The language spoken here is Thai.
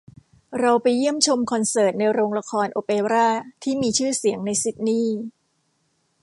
เราไปเยี่ยมชมคอนเสิร์ตในโรงละครโอเปร่าที่มีชื่อเสียงในซิดนีย์